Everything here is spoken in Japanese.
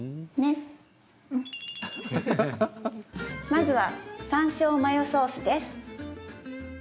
まずは、山椒マヨソースです。